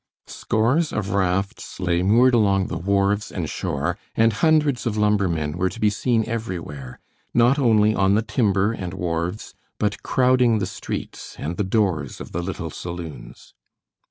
Scores of rafts lay moored along the wharves and shore, and hundred of lumbermen were to be seen everywhere, not only on the timber and wharves, but crowding the streets and the doors of the little saloons.